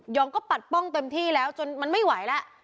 องก็ปัดป้องเต็มที่แล้วจนมันไม่ไหวแล้ว